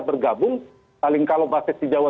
bergabung saling kalau basis di jawa